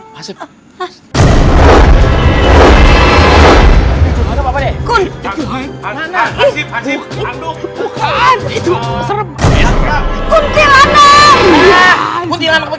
masif apa deh